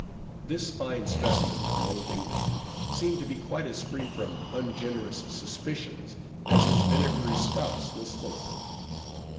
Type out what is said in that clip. This fine specimen of an old Englishman seemed to be quite as free from ungenerous suspicions as his vinegary spouse was full of them.